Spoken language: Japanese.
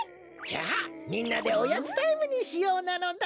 じゃあみんなでおやつタイムにしようなのだ！